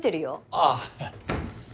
ああ。